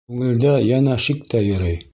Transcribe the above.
Күңелдә йәнә шик тә йөрөй.